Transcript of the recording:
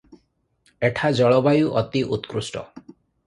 ଏଠା ଜଳବାୟୁ ଅତି ଉତ୍କୃଷ୍ଟ ।